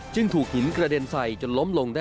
มันปิดออกขวามันไม่ยอมตรงสาม